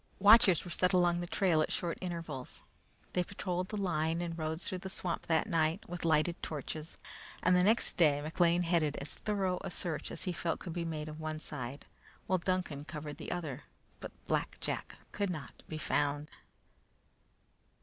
Watchers were set along the trail at short intervals. They patrolled the line and roads through the swamp that night, with lighted torches, and the next day McLean headed as thorough a search as he felt could be made of one side, while Duncan covered the other; but Black Jack could not be found.